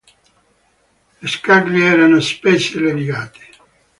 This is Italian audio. Le scaglie erano spesse e levigate.